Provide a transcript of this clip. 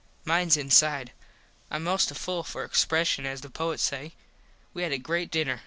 Mines inside. Im most to full for expreshun as the poets say. We had a great dinner.